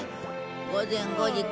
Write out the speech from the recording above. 午前５時か。